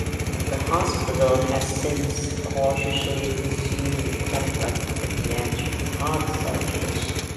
The hospital has since cautiously resumed complex pediatric heart surgeries.